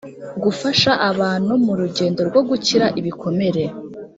gufasha abantu mu rugendo rwo gukira ibikomere